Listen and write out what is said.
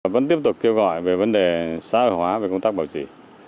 vẫn tiếp tục kêu gọi về vấn đề xã hội hóa về công tác bảo trị